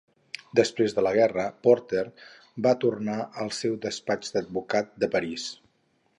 Després de la guerra, Porter va tornar al seu despatx d'advocat de París.